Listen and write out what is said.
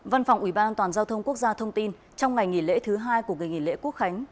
văn phòng ủy ban an toàn giao thông quốc gia thông tin trong ngày nghỉ lễ thứ hai của ngày nghỉ lễ quốc khánh